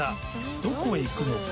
どこへ行くのか？